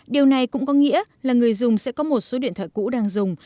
điều này cũng có nghĩa là người dùng sẽ có một số điện thoại cũ đang dùng